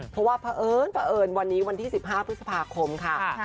เพราะว่าเผอิญวันนี้วันที่๑๕พฤษภาคมค่ะ